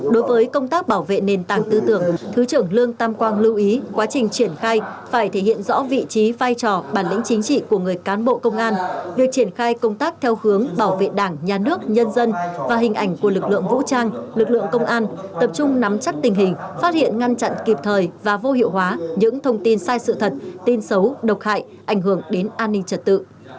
đối với công tác bảo vệ nền tảng tư tưởng thứ trưởng lương tam quang lưu ý quá trình triển khai phải thể hiện rõ vị trí vai trò bản lĩnh chính trị của người cán bộ công an việc triển khai công tác theo hướng bảo vệ đảng nhà nước nhân dân và hình ảnh của lực lượng vũ trang lực lượng công an tập trung nắm chắc tình hình phát hiện ngăn chặn kịp thời và vô hiệu hóa những thông tin sai sự thật tin xấu độc hại ảnh hưởng đến an ninh trật tự